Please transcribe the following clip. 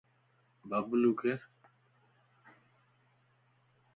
ببلو ڪير؟